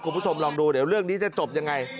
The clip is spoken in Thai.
คุณผู้ชมลองดูเดี๋ยวเรื่องนี้จะจบยังไง